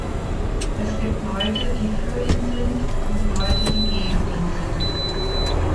Es gibt Leute, die für ihn sind, und Leute, die gegen ihn sind.